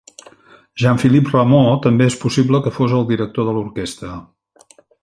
Jean-Philippe Rameau també és possible que fos el director de l'orquestra.